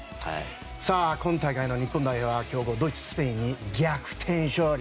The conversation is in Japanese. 今大会の日本代表は強豪ドイツ、スペインに逆転勝利！